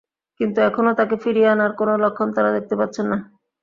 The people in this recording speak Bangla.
কিন্তু এখনো তাঁকে ফিরিয়ে আনার কোনো লক্ষণ তাঁরা দেখতে পাচ্ছেন না।